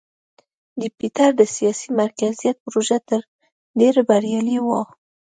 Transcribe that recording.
د پیټر د سیاسي مرکزیت پروژه تر ډېره بریالۍ وه.